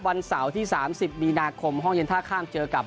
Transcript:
วันเสาร์ที่๓๐มีนาคมห้องเย็นท่าข้ามเจอกับ